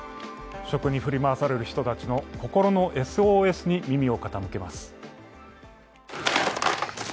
食に振り回される人たちの心のＳＯＳに耳を傾けます。